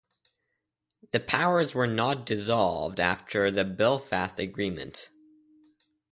These powers were not devolved after the Belfast Agreement.